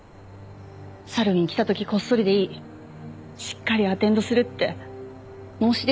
サルウィンに来た時こっそりでいいしっかりアテンドするって申し出ていたそうです。